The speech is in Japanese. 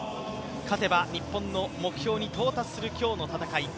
勝てば日本の目標に到達する今日の戦い。